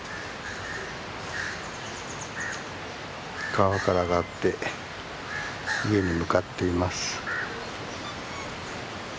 川から上がって家に向かっています。